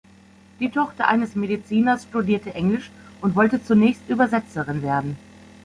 Die Tochter eines Mediziners studierte Englisch und wollte zunächst Übersetzerin werden.